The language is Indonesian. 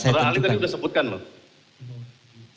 para ahli tadi sudah sebutkan loh